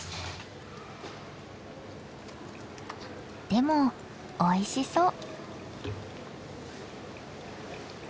でもおいしそう。